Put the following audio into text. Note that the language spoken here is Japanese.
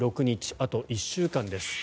あと１週間です。